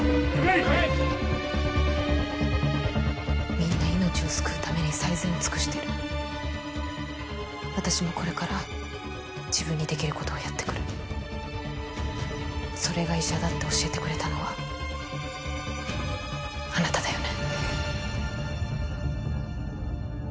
みんな命を救うために最善を尽くしてる私もこれから自分にできることをやってくるそれが医者だって教えてくれたのはあなただよね